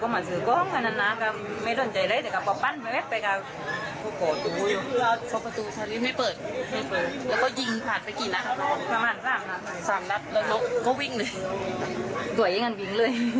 ครับลูกกล้าอยู่กันเลยลูกกล้ากับลูกกล้าลูกกล้าไปในบ้าน